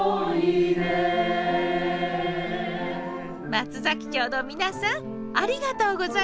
松崎町の皆さんありがとうございました。